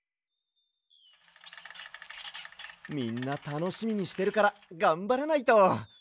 みんなたのしみにしてるからがんばらないと。